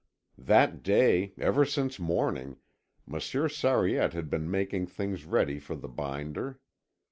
That day, ever since morning, Monsieur Sariette had been making things ready for the binder.